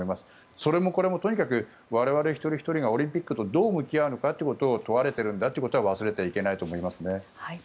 それもこれもとにかく我々一人ひとりがオリンピックとどう向き合うのかということを問われているんだということは忘れてはいけないと思います。